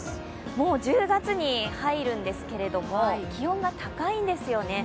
もう１０月に入るんですけども、気温が高いんですよね。